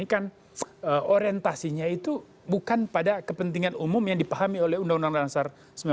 ini kan orientasinya itu bukan pada kepentingan umum yang dipahami oleh undang undang dasar seribu sembilan ratus empat puluh